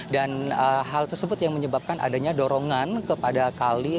dan hal tersebut yang menyebabkan adanya dorongan kepada kali